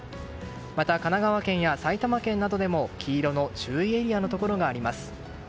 また、神奈川県や埼玉県などでも黄色の注意エリアのところがあります。